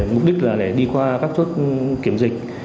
mục đích là để đi qua các chốt kiểm dịch